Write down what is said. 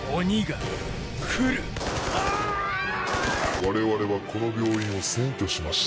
・われわれはこの病院を占拠しました。